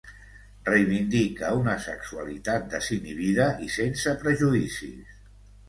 Reivindica una sexualitat desinhibida i sense prejudicis.